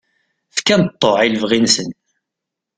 Fkan ṭṭuɛ i lebɣi-nsen.